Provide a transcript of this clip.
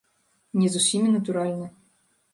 Не з усімі, натуральна.